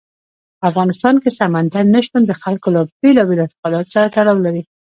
په افغانستان کې سمندر نه شتون د خلکو له بېلابېلو اعتقاداتو سره تړاو لري.